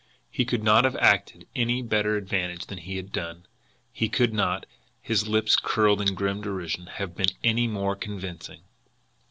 He could not have acted to any better advantage than he had done. He could not his lips curled in grim derision have been any more convincing.